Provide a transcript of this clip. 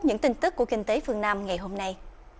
những tin tức của kinh tế phương nam ngày hôm nay